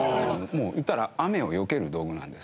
もう言ったら雨をよける道具なんですけど。